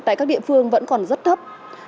tại các địa phương vẫn còn rất thấp